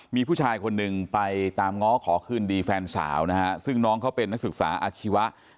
มีผู้ชายคนหนึ่งไปตามง้อขอคืนดีแฟนสาวนะฮะซึ่งน้องเขาเป็นนักศึกษาอาชีวะ